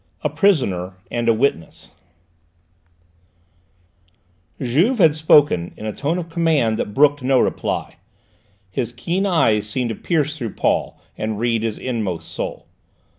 A PRISONER AND A WITNESS Juve had spoken in a tone of command that brooked no reply. His keen eyes seemed to pierce through Paul and read his inmost soul.